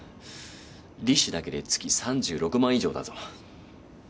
利子だけで月３６万以上だぞ。